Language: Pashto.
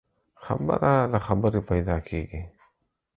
خبره له خبري پيدا کېږي.